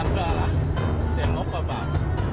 อันตราละเสียงรถประวัติ